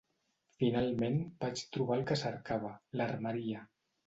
Finalment vaig trobar el que cercava: l'armeria